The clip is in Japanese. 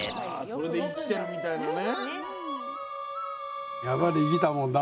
それで生きてるみたいなね。